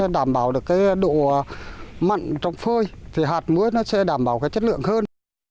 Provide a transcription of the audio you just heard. đảm bảo độ mặn trong phơi hạt muối sẽ đảm bảo chất lượng hơn